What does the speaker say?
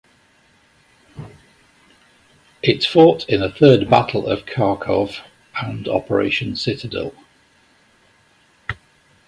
It fought in the Third Battle of Kharkov and Operation Citadel.